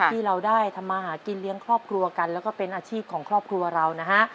ที่เราได้ทำมาหากินเลี้ยงครอบครัวกันแล้วก็เป็นอาชีพของครอบครัวเรานะฮะ